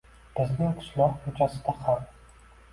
Bizning qishlok ko’chasida ham